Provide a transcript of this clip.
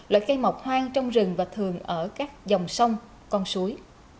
loại cây mọc hoang trong rừng và thường ở các dòng sông con suối